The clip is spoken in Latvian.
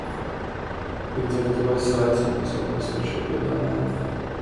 Līdz ar to es aicinu jūs atbalstīt šo piedāvājumu.